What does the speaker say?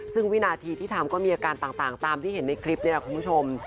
ซึ่งวินาทีที่ทำก็มีอาการต่างตามที่เห็นในคลิปนี้คุณผู้ชม